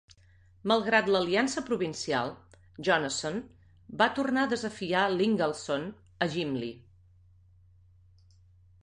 Malgrat l"aliança provincial, Jonasson va tornar a desafiar l"Ingaldson a Gimli.